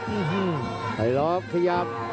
อื้อฮืมไถรรอบขยับ